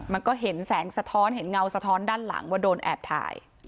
มันก็เห็นแสงสะท้อนเห็นเงาสะท้อนด้านหลังว่าโดนแอบถ่าย